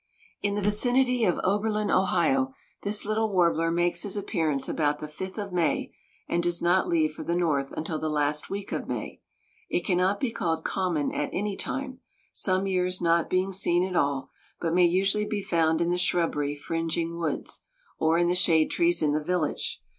In the vicinity of Oberlin, Ohio, this little warbler makes his appearance about the fifth of May and does not leave for the north until the last week of May. It can not be called common at any time, some years not being seen at all, but may usually be found in the shrubbery fringing woods, or in the shade trees in the village.